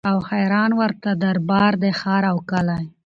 او حیران ورته دربار دی ښار او کلی